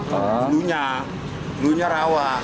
belunya belunya rawa